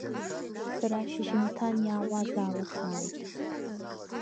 Сара шьыжьымҭан иаауаз ала сааит.